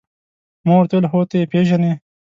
ما ورته وویل: هو، ته يې پېژنې؟